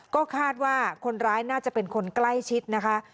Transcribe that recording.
ก็คาดว่าคนร้ายน่าจะเป็นคนใกล้ชิดนะคะ